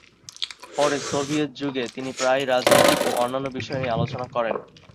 পরে সোভিয়েত যুগে তিনি প্রায়ই রাজনৈতিক ও অন্যান্য বিষয় নিয়ে আলোচনা করেন।